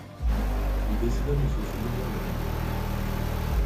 Il décida de se souvenir longuement.